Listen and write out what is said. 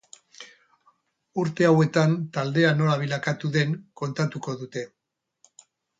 Urte hauetan taldea nola bilakatu den kontatuko dute.